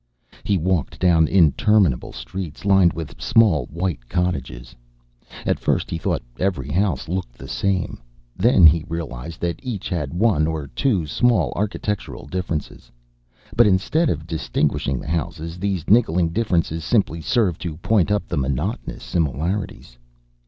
He walked down interminable streets lined with small white cottages. At first, he thought every house looked the same. Then he realized that each had one or two small architectural differences. But instead of distinguishing the houses, these niggling differences simply served to point up the monotonous similarities.